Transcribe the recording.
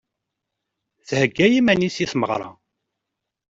Thegga iman-is i tmeɣra.